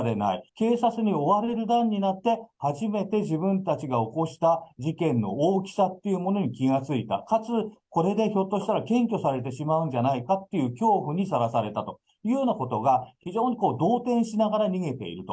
警察に追われる段になって、初めて自分たちが起こした事件の大きさっていうものに気が付いた、かつこれでひょっとしたら、検挙されてしまうんじゃないかっていう恐怖にさらされたというようなことが、非常に動転しながら逃げていると。